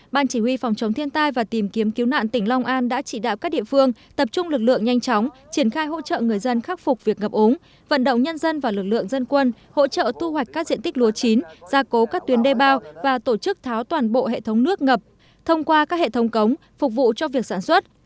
ban chỉ huy phòng chống thiên tai và tìm kiếm cứu nạn tỉnh long an đã chỉ đạo các địa phương tập trung lực lượng nhanh chóng triển khai hỗ trợ người dân khắc phục việc ngập ống vận động nhân dân và lực lượng dân quân hỗ trợ thu hoạch các diện tích lúa chín gia cố các tuyến đê bao và tổ chức tháo toàn bộ hệ thống nước ngập thông qua các hệ thống cống phục vụ cho việc sản xuất